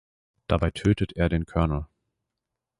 Dabei tötet er den Colonel.